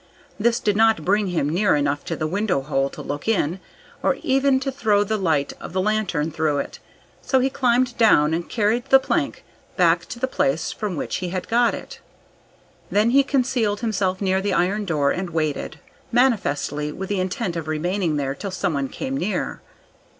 This did not bring him near enough to the window hole to look in, or even to throw the light of the lantern through it, so he climbed down and carried the plank back to the place from which he had got it. Then he concealed himself near the iron door and waited, manifestly with the intent of remaining there till someone came near.